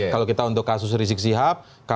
kalau kita untuk kasus risik sihab kasus alam